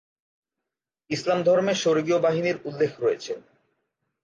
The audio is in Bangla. ইসলাম ধর্মে স্বর্গীয় বাহিনীর উল্লেখ রয়েছে।